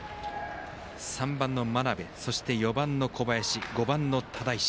３番の真鍋、そして４番の小林５番の只石